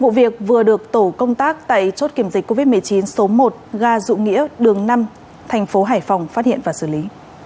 vụ việc vừa được tổ công tác tại chốt kiểm dịch covid một mươi chín số một ga dụ nghĩa đường năm thành phố hải phòng phát hiện và xử lý